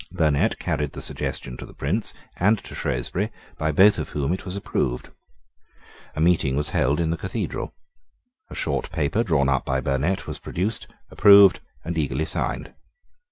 Burnet carried the suggestion to the Prince and to Shrewsbury, by both of whom it was approved. A meeting was held in the Cathedral. A short paper drawn up by Burnet was produced, approved, and eagerly signed.